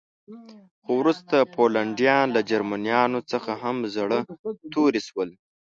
خو وروسته پولنډیان له جرمنانو څخه هم زړه توري شول